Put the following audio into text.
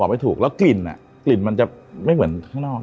ไม่ถูกแล้วกลิ่นอ่ะกลิ่นกลิ่นมันจะไม่เหมือนข้างนอก